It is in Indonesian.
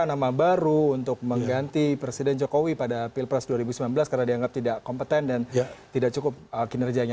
nama baru untuk mengganti presiden jokowi pada pilpres dua ribu sembilan belas karena dianggap tidak kompeten dan tidak cukup kinerjanya